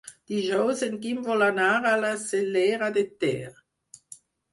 Dijous en Guim vol anar a la Cellera de Ter.